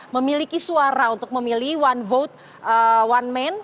memiliki suara untuk memilih one vote one man